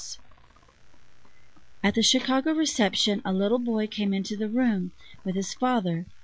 At the Chicago reception, a little boy came into the room, with his father.